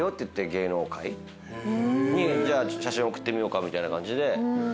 芸能界に写真送ってみようかみたいな感じで。